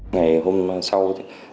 ngày hôm sau